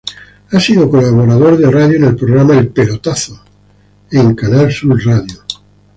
Ha sido colaborador de radio en el programa "El pelotazo" en Canal Sur Radio.